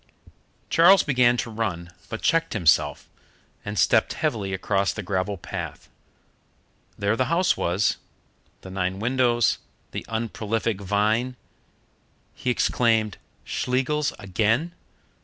Charles began to run, but checked himself, and stepped heavily across the gravel path. There the house was the nine windows, the unprolific vine. He exclaimed, "Schlegels again!"